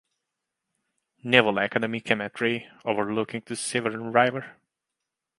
Naval Academy Cemetery overlooking the Severn River.